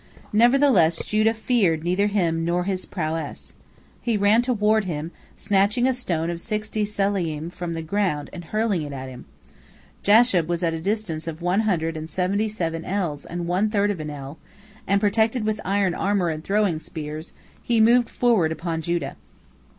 Nevertheless Judah feared neither him nor his prowess. He ran toward him, snatching a stone of sixty sela'im from the ground and hurling it at him. Jashub was at a distance of one hundred and seventy seven ells and one third of an ell, and, protected with iron armor and throwing spears, he moved forward upon Judah.